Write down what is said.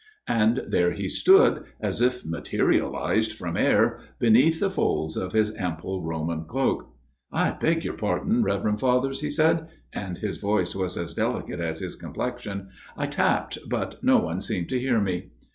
And there he stood, as if materialized from air, beneath the folds of his ample Roman cloak. " I beg your pardon, reverend Fathers," he said and his voice was as delicate as his com plexion " I tapped, but no one seemed to hear me."